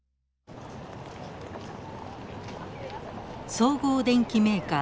総合電機メーカー